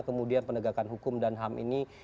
kemudian penegakan hukum dan ham ini